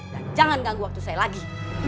dan jangan ganggu waktu saya lagi